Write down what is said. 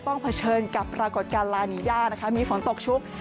ต้องเผชิญกับปรากฏการณียานะคะมีฝนตกชุบ